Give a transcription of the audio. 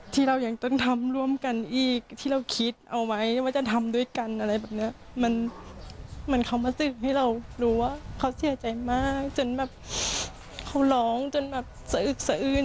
ที่เรายังต้องทำร่วมกันอีกคิดเอาไว้ว่าจะทำด้วยกันอะไรเนี่ยมันไหมเหมือนเขามาสื่อให้เรารู้ว่าเขาเสียใจมากจนแบบโคลนถึงนะเศรษฐาน